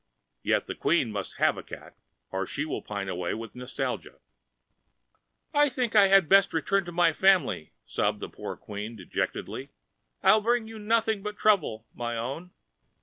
Yet the Queen must have a cat or she will pine quite away with nostalgia." "I think I had best return to my family," sobbed the poor Queen, dejectedly. "I bring you nothing but trouble, my own."